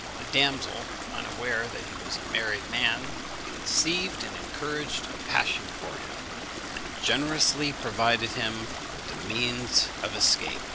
The damsel, unaware that he was a married man, conceived and encouraged a passion for him, and generously provided him with the means of escape.